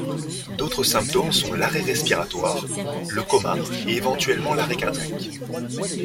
D'autres symptômes sont l'arrêt respiratoire, le coma et éventuellement l'arrêt cardiaque.